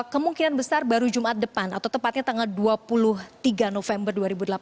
kemungkinan besar baru jumat depan atau tepatnya tanggal dua puluh tiga november dua ribu delapan belas